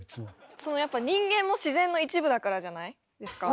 そのやっぱ人間も自然の一部だからじゃないですか？